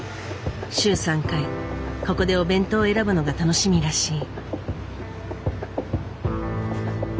週３回ここでお弁当を選ぶのが楽しみらしい。